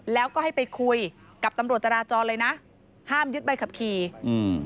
แล้วก็ให้ไปคุยกับตำรวจจราจรเลยนะห้ามยึดใบขับขี่อืม